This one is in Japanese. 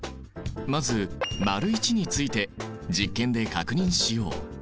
まず①について実験で確認しよう。